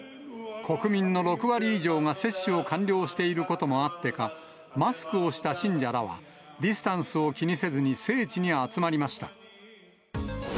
国民の６割以上が接種を完了していることもあってか、マスクをした信者らは、ディスタンスを気にせずに聖地に集まりました。